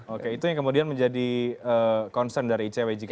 oke itu yang kemudian menjadi concern dari icw